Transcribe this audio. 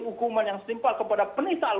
hukuman yang simpel kepada penisal